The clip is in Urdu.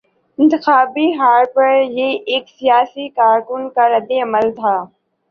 انتخابی ہار پر یہ ایک سیاسی کارکن کا رد عمل تھا۔